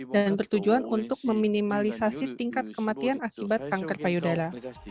dan bertujuan untuk meminimalisasi tingkat kematian akibat kanker payudara